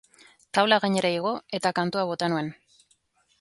Taula gainera igo eta kantua bota nuen.